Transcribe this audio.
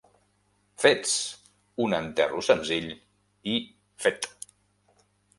Fets! Un enterro senzill... i... fet!